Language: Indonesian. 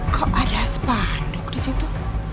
kok ada spanduk disitu